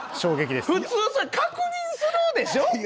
普通それ確認するでしょ？